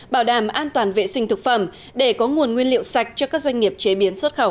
bảo đảm an toàn vệ sinh thực phẩm để có nguồn nguyên liệu sạch cho các doanh nghiệp chế biến xuất khẩu